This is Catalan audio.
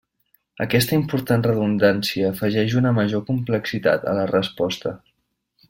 Aquesta important redundància afegeix una major complexitat a la resposta.